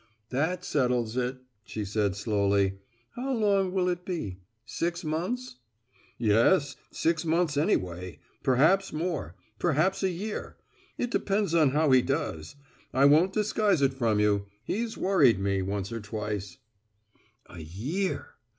"That settles it," she said slowly. "How long will it be? Six months?" "Yes, six months anyway, perhaps more perhaps a year. It depends on how he does. I won't disguise it from you he's worried me once or twice." A year!